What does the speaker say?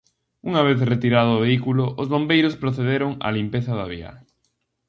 Unha vez retirado o vehículo, os bombeiros procederon á limpeza da vía.